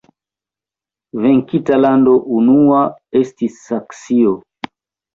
Venkinta lando unua estis Saksio.